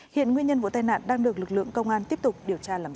hiện nguyên nhân vụ tai nạn đang được lực lượng công an tiếp tục điều tra làm rõ